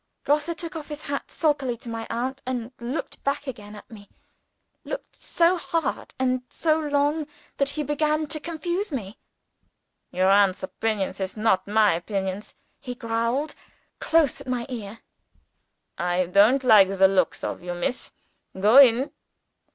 Grosse took off his hat sulkily to my aunt, and looked back again at me looked so hard and so long, that he began to confuse me. "Your aunt's opinions is not my opinions," he growled, close at my ear. "I don't like the looks of you, Miss. Go in!"